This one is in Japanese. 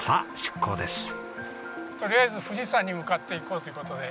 とりあえず富士山に向かっていこうという事で。